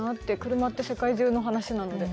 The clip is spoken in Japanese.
車って世界中の話なので。